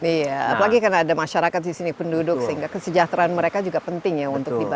iya apalagi karena ada masyarakat di sini penduduk sehingga kesejahteraan mereka juga penting ya untuk dibangun